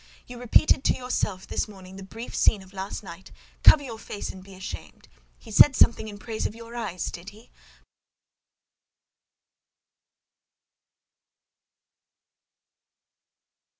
You repeated to yourself this morning the brief scene of last night?—Cover your face and be ashamed! He said something in praise of your eyes, did he?